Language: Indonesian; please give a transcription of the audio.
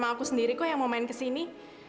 emang aku sendiri kok yang mau main ke sini